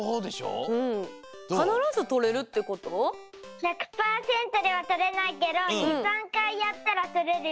１００パーセントではとれないけど２３かいやったらとれるよ。